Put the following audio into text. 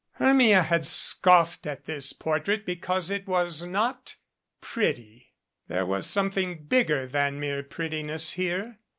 Hermia had scoffed at this portrait because it was not "pretty." There was something bigger than mere prettiness here.